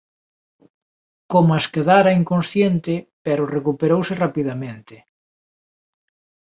Comas quedara inconsciente pero recuperouse rapidamente.